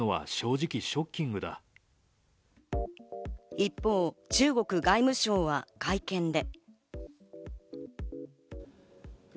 一方、中国外務省は会見で。